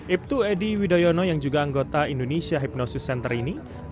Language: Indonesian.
ibtu edy widoyono yang juga anggota indonesia hipnosis center ini